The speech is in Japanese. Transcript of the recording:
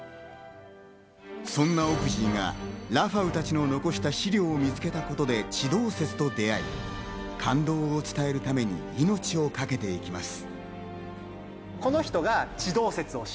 そんなオクジーがラファウたちの残した資料を見つけたことで、地動説と出会い、感動を伝えるために命をかけていきます。